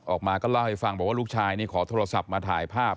ออกมาก็เล่าให้ฟังบอกว่าลูกชายนี่ขอโทรศัพท์มาถ่ายภาพ